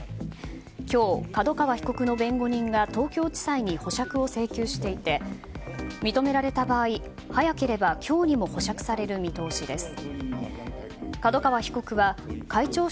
今日、角川被告の弁護人が東京地裁に保釈を請求していて認められた場合早ければ今日にも保釈される見通しです。